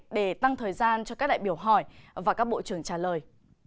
để tăng thời gian cho các đại biểu hỏi và các bộ trưởng trả lời